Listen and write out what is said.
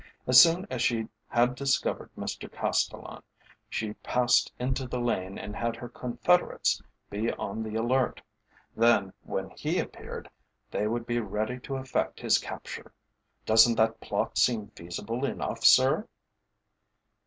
As soon as she had discovered Mr Castellan, she passed into the lane and bade her confederates be on the alert; then, when he appeared, they would be ready to effect his capture. Doesn't that plot seem feasible enough, sir?"